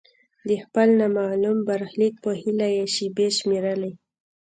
د خپل نامعلوم برخلیک په هیله یې شیبې شمیرلې.